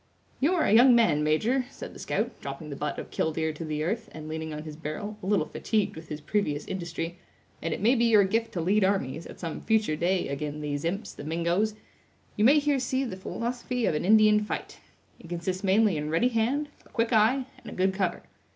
"You are a young man, major," said the scout, dropping the butt of "killdeer" to the earth, and leaning on the barrel, a little fatigued with his previous industry; "and it may be your gift to lead armies, at some future day, ag'in these imps, the Mingoes. You may here see the philosophy of an Indian fight. It consists mainly in ready hand, a quick eye and a good cover.